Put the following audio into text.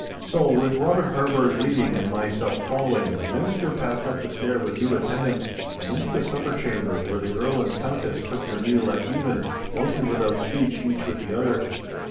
So with Robert Harburgh leading and myself following, the minister passed up the stair with due attendance, and into the supper chamber where the Earl and Countess took their meal at even, mostly without speech each with the other.